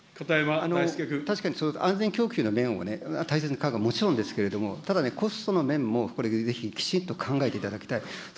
確かに、安全供給の面をね、大切なのはもちろんですけれども、ただ、コストの面もこれ、ぜひ、きちっと考えていただきたい。